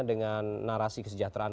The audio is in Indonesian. dengan narasi kesejahteraan